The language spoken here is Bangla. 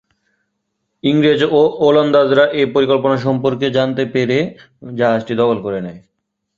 ইংরেজ ও ওলন্দাজরা এ পরিকল্পনা সম্পর্কে জানতে পেরে জাহাজটি দখল করে নেয়।